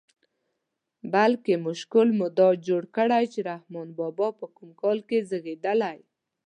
بلکې مشکل مو دا جوړ کړی چې رحمان بابا په کوم کال زېږېدلی.